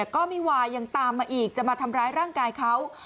ก็ไม่วายยังตามมาอีกจะมาทำร้ายร่างกายเขา